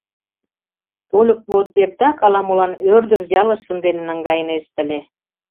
Тольык вот эртак ала-молан ӧрдыж ялыш шынден наҥгайынешт ыле.